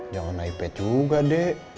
jangan ipad juga deh